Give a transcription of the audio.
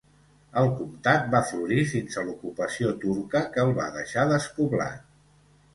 El comtat va florir fins a l'ocupació turca que el va deixar despoblat.